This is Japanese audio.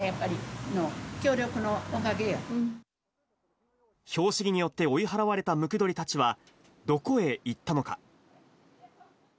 みんながやっぱり、拍子木によって追い払われたムクドリたちは、どこへ行ったのか。